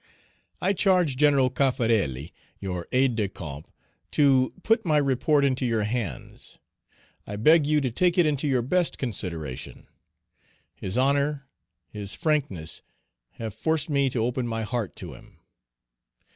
I charge General Cafarelli, your aide de camp, to put my report into your hands. I beg you to take it into your best consideration. His honor, his frankness have forced me to open my heart to him.